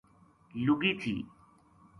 لگی تھی